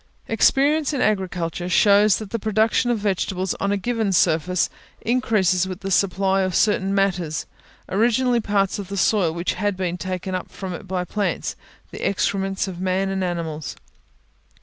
Experience in agriculture shows that the production of vegetables on a given surface increases with the supply of certain matters, originally parts of the soil which had been taken up from it by plants the excrements of man and animals.